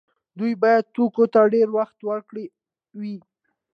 دوی باید توکو ته ډیر وخت ورکړی وای.